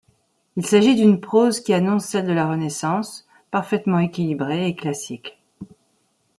Il s'agit d'une prose qui annonce celle de la Renaissance, parfaitement équilibrée et classique.